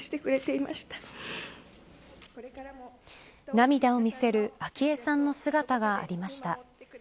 涙を見せる昭恵さんの姿がありました。